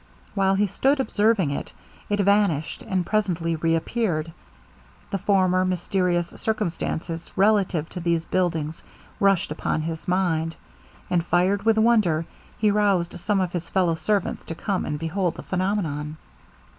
While he stood observing it, it vanished, and presently reappeared. The former mysterious circumstances relative to these buildings rushed upon his mind; and fired with wonder, he roused some of his fellow servants to come and behold this phenomenon.